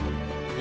え